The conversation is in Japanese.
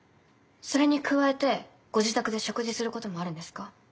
それに加えてご自宅で食事することもあるんですか？